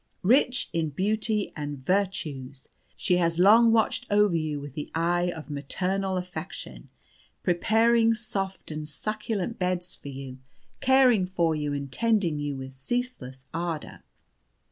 Rich in beauty and virtues, she has long watched over you with the eye of maternal affection, preparing soft and succulent beds for you, caring for you and tending you with ceaseless ardour.